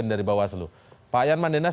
ini dari bawah seluruh pak yan mandenas